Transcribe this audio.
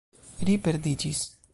Ri perdiĝis.